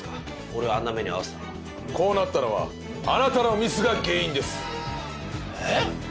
俺をあんな目に遭わせたのはこうなったのはあなたのミスが原因ですえっ？